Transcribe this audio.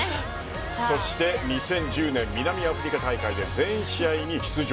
そして２０１０年南アフリカ大会で全試合に出場